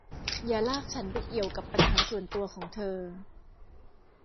อย่าลากฉันไปเกี่ยวกับปัญหาส่วนตัวของเธอ